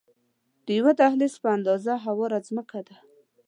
د یوه دهلیز په اندازه هواره ځمکه ده.